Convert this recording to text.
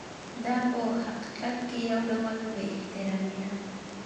دا په حقیقت کې یو ډول بې احترامي ده.